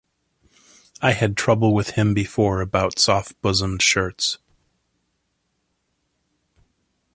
I had had trouble with him before about soft-bosomed shirts.